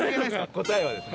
答えはですね